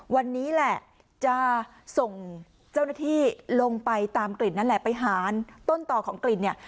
วันนี้แหละจะส่งเจ้าหน้าที่ลงไปตามกลิ่นนั่นแหละไปหาต้นต่อของกลิ่นเนี่ย